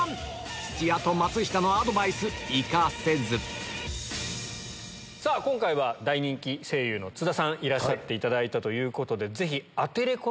土屋と松下のアドバイス生かせず今回は大人気声優の津田さんいらしていただいたということで。